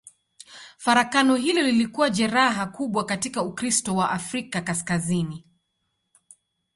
Farakano hilo lilikuwa jeraha kubwa katika Ukristo wa Afrika Kaskazini.